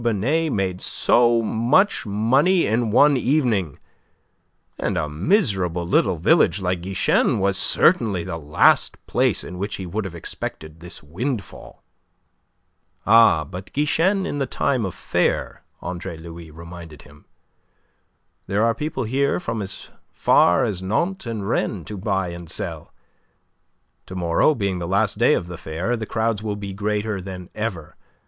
Binet made so much money in one evening and a miserable little village like Guichen was certainly the last place in which he would have expected this windfall. "Ah, but Guichen in time of fair," Andre Louis reminded him. "There are people here from as far as Nantes and Rennes to buy and sell. To morrow, being the last day of the fair, the crowds will be greater than ever.